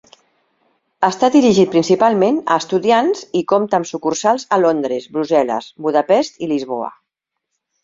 Està dirigit principalment a estudiants i compte amb sucursals a Londres, Brussel·les, Budapest i Lisboa.